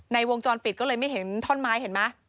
ในวงจรปิดก็เลยไม่เห็นถ้อนไม้เห็นมั้ย